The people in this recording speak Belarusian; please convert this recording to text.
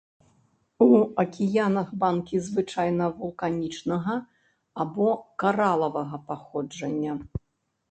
У акіянах банкі звычайна вулканічнага або каралавага паходжання.